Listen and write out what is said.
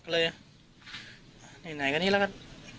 ก็เลยไหนก็นี่แล้วกัน